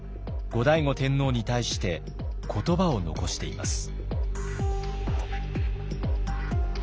後醍醐天皇に対して言葉を残しています。